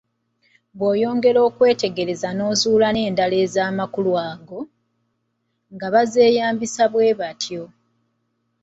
Bw'oyongera okwetegereza n'ozuula n'endala ez'amakulu ago, nga bazeeyambisa bwe batyo.